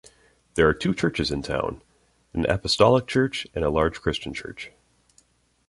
There are two churches in town, an Apostolic Church and a large Christian church.